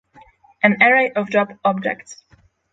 an array of job objects